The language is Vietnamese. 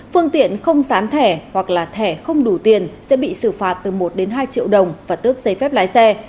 phương tiện không sán thẻ hoặc là thẻ không đủ tiền sẽ bị xử phạt từ một đến hai triệu đồng và tước giấy phép lái xe